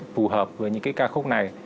phù hợp với những cái ca khúc này